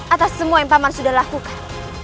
atas semua yang paman sudah lakukan